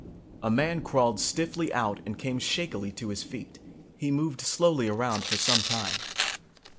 A man crawled stiffly out and came shakily to his feet. He moved slowly around for some time.